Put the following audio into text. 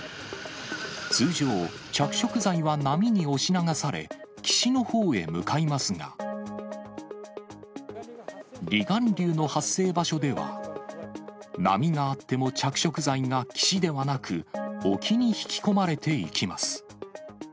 通常、着色剤は波に押し流され、岸のほうへ向かいますが、離岸流の発生場所では、波があっても着色剤が岸ではなく、沖に引き込まれていきます。